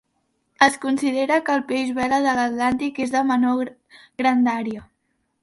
Es considera que el peix vela de l'Atlàntic és de menor grandària.